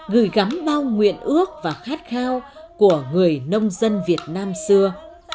gửi gắm bao nguyện ước và khát khao của người nông dân việt nam xưa